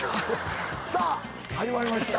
さあ始まりました。